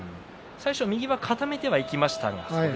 最初、右は固めていきましたが。